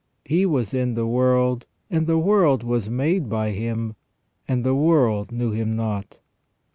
He was in the world, and the world was made by Him, and the world knew Him not."